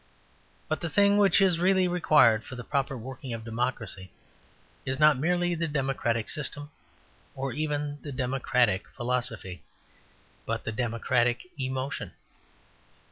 But the thing which is really required for the proper working of democracy is not merely the democratic system, or even the democratic philosophy, but the democratic emotion.